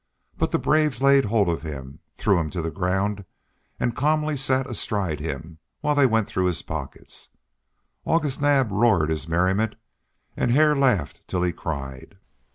But the braves laid hold upon him, threw him to the ground, and calmly sat astride him while they went through his pockets. August Naab roared his merriment and Hare laughed till he cried.